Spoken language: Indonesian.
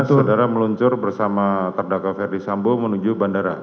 jam lima lima belas saudara meluncur bersama terdakwa ferdisambu menuju bandara